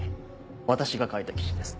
私が書いた記事です。